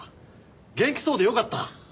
元気そうでよかった。